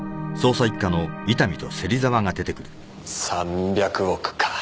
３００億か。